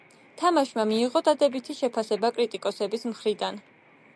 თამაშმა მიიღო დადებითი შეფასება კრიტიკოსების მხრიდან.